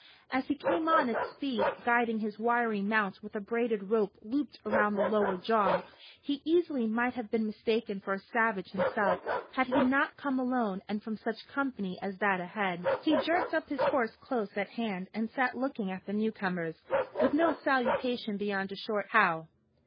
As he came on at speed, guiding his wiry mount with a braided rope looped around the lower jaw, he easily might have been mistaken for a savage himself had he not come alone and from such company as that ahead. He jerked up his horse close at hand and sat looking at the newcomers, with no salutation beyond a short "How!"